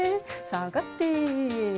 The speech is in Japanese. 下がって。